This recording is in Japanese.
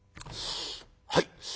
「はい。